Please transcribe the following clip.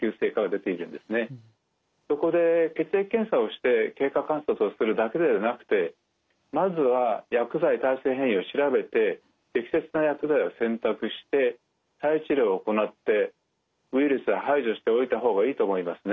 そこで血液検査をして経過観察をするだけではなくてまずは薬剤耐性変異を調べて適切な薬剤を選択して再治療を行ってウイルスを排除しておいた方がいいと思いますね。